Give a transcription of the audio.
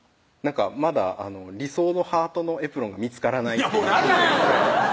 まだ理想のハートのエプロンが見つからないっていう何やねんそれ！